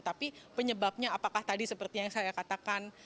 tapi penyebabnya apakah tadi seperti yang saya katakan